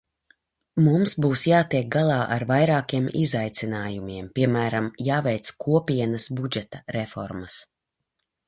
Mums būs jātiek galā ar vairākiem izaicinājumiem, piemēram, jāveic Kopienas budžeta reformas.